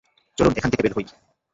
চলুন এখান থেকে বের হই?